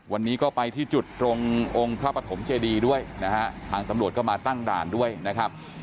วันนี้ก็ไปที่จุดตรงองค์พระปฐมเจดีด้วยนะฮะทางตำรวจก็มาตั้งด่านด้วยนะครับ